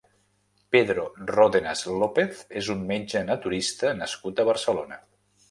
Pedro Ródenas López és un metge naturista nascut a Barcelona.